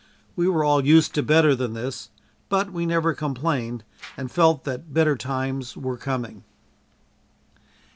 We were all used to better than this, but we never complained and felt that better times were coming.